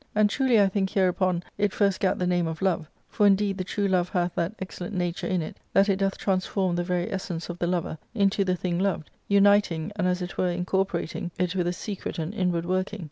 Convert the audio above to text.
And truly I think hereupon it first gat the J name of love ; for indeed the true love hath that excellent ^: nature in it that it doth transform the very essence of tHe lover into the thing loved, uniting, and as it were mcor porating, it with a secret and inward working.